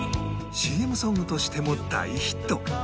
ＣＭ ソングとしても大ヒット